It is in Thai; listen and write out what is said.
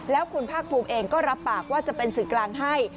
แล้วคุณภาคภูมิเองก็รับปากว่าจะเป็นสื่อกลางให้